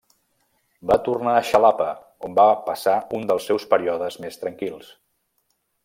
Va tornar a Xalapa, on va passar un dels seus períodes més tranquils.